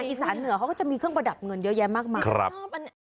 อีสานเหนือเขาก็จะมีเครื่องประดับเงินเยอะแยะมากมาย